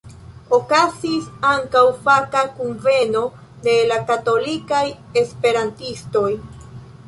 Okazis ankaŭ faka kunveno de la katolikaj esperantistoj.